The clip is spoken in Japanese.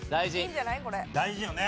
大事よね。